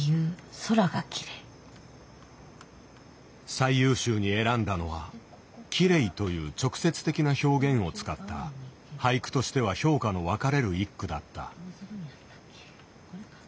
最優秀に選んだのは「きれい」という直接的な表現を使った俳句としては評価の分かれる１句だった。